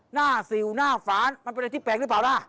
สิวหน้าฝานมันเป็นอะไรที่แปลกหรือเปล่าล่ะ